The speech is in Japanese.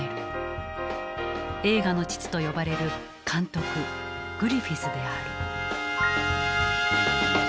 「映画の父」と呼ばれる監督グリフィスである。